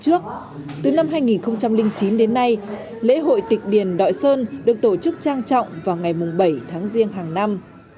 trong linh chín đến nay lễ hội tịch điền đội sơn được tổ chức trang trọng vào ngày bảy tháng riêng hàng năm